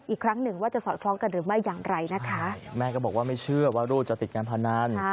อีกครั้งหนึ่งว่าจะสอดคล้องกันหรือไม่อย่างไรนะคะแม่ก็บอกว่าไม่เชื่อว่าลูกจะติดการพนัน